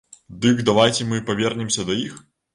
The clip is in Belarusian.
Дык давайце мы павернемся да іх!